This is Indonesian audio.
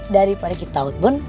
daripada kita outbound